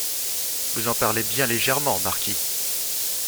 Vous en parlez bien légèrement, marquis.